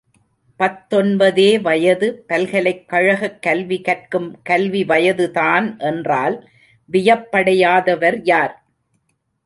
பத்தொன்பதே வயது பல்கலைக்கழகக் கல்விகற்கும் கல்வி வயதுதான் என்றால் வியப்படையாதவர் யார்?